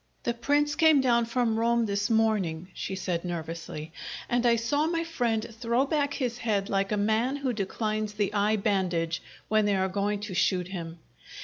"The Prince came down from Rome this morning," she said nervously, and I saw my friend throw back his head like a man who declines the eye bandage when they are going to shoot him.